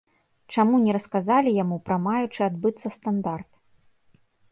Чаму не расказалі яму пра маючы адбыцца стандарт?